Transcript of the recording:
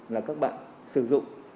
là các bạn sử dụng